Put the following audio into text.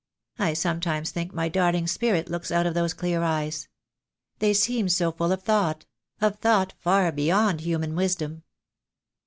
I sometimes think my darling's spirit looks out of those clear eyes. They seem so full of thought — of thought far beyond human wisdom."